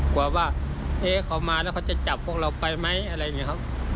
กลัวว่าเขามาแล้วเขาจะจับพวกเราไปไหมอะไรอย่างนี้ครับ